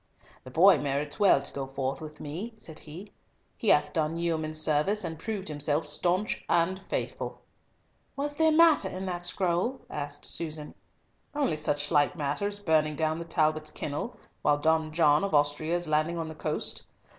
"The boy merits well to go forth with me," said he. "He hath done yeoman's service, and proved himself staunch and faithful." "Was there matter in that scroll?" asked Susan. "Only such slight matter as burning down the Talbots' kennel, while Don John of Austria is landing on the coast."